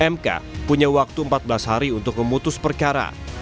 mk punya waktu empat belas hari untuk memutus perkara